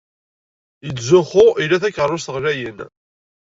Yettzuxxu ila takeṛṛust ɣlayen.